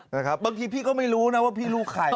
บางทีพี่ก็ไม่รู้นะว่าพี่รู้ใคร